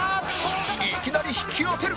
いきなり引き当てる！